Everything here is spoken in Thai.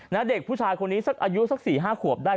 แล้วเด็กผู้ชายคนนี้อายุสัก๔๕ขวบได้